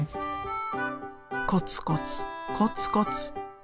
コツコツコツコツ。